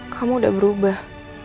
kamu udah berubah